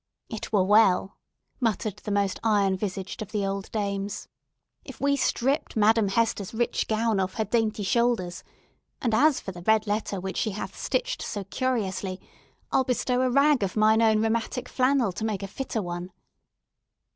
"It were well," muttered the most iron visaged of the old dames, "if we stripped Madame Hester's rich gown off her dainty shoulders; and as for the red letter which she hath stitched so curiously, I'll bestow a rag of mine own rheumatic flannel to make a fitter one!"